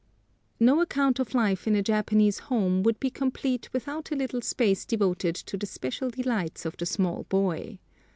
No account of life in a Japanese home would be complete without a little space devoted to the special delights of the small boy.